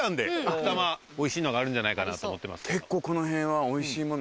おいしいのがあるんじゃないかなと思ってます。